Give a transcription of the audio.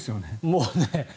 もうね